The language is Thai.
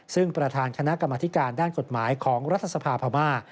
ซึ่งประธานคณะกรรมธิการด้านกฎหมายของรัฐสภาพม่า